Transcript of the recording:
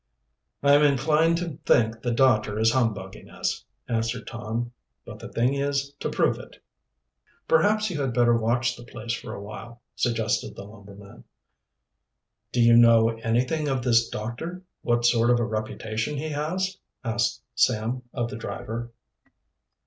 "I am inclined to think the doctor is humbugging us," answered Tom. "But the thing is to prove it." "Perhaps you had better watch the place for a while," suggested the lumberman. "Do you know anything of this doctor what sort of a reputation he has?" asked Sam of the driver.